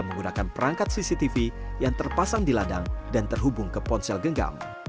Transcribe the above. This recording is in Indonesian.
menggunakan perangkat cctv yang terpasang di ladang dan terhubung ke ponsel genggam